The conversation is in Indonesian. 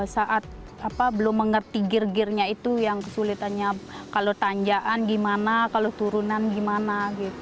saat belum mengerti gear gearnya itu yang kesulitannya kalau tanjaan gimana kalau turunan gimana